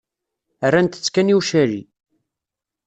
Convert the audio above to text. Rrant-tt kan i ucali.